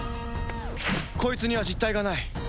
こいつには実体がない。